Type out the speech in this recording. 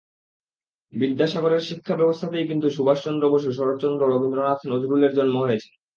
বিদ্যাসাগরের শিক্ষাব্যবস্থাতেই কিন্তু সুভাষ চন্দ্র বসু, শরৎচন্দ্র, রবীন্দ্রনাথ, নজরুলের জন্ম হয়েছে।